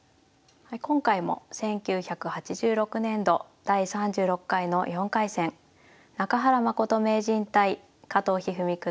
今回も１９８６年度第３６回の４回戦中原誠名人対加藤一二三九